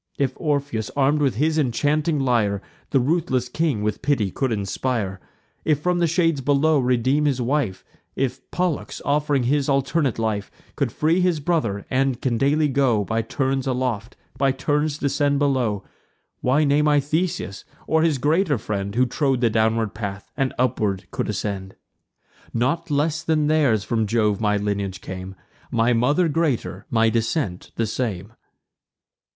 If Orpheus, arm'd with his enchanting lyre, The ruthless king with pity could inspire, And from the shades below redeem his wife; If Pollux, off'ring his alternate life, Could free his brother, and can daily go By turns aloft, by turns descend below: Why name I Theseus, or his greater friend, Who trod the downward path, and upward could ascend? Not less than theirs from Jove my lineage came; My mother greater, my descent the same."